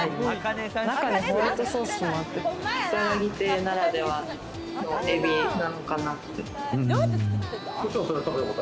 中にホワイトソースが入ってて、きさらぎ亭ならではのエビなのかなって。